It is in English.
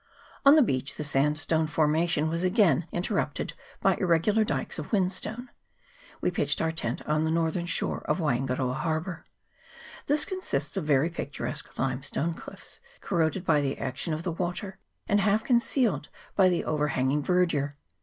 On the beach the sandstone form ation was again interrupted by irregular dykes of whins tone. We pitched our tent on the northern shore of Waingaroa Harbour. This consists of very picturesque limestone cliffs, corroded by the action of the water, and half concealed by the over hang ing verdure.